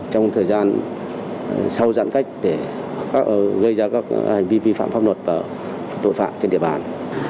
trong thời gian sau giãn cách để gây ra các hành vi vi phạm pháp luật và tội phạm trên địa bàn